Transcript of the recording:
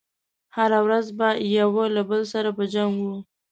هره ورځ به يو له بل سره په جنګ و.